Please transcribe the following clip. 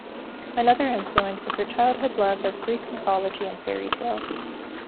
Another influence was her childhood love of Greek mythology and fairy tales.